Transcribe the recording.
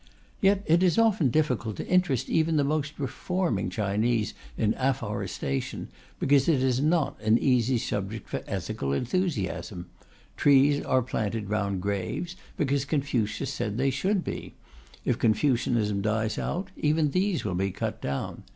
Yet it is often difficult to interest even the most reforming Chinese in afforestation, because it is not an easy subject for ethical enthusiasm. Trees are planted round graves, because Confucius said they should be; if Confucianism dies out, even these will be cut down.